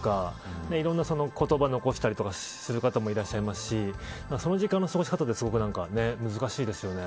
いろいろな言葉を残したりする方もいらっしゃいますしその時間の過ごし方は難しいですよね。